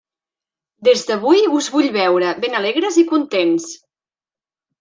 Des d'avui us vull veure ben alegres i contents.